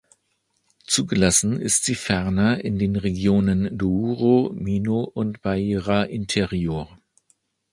Zugelassen ist sie ferner in den Regionen Douro, Minho und Beira Interior.